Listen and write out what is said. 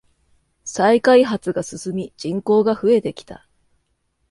再開発が進み人口が増えてきた。